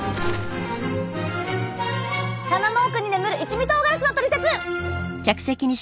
棚の奥に眠る一味とうがらしのトリセツ！